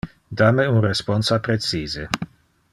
Da me un responsa precise.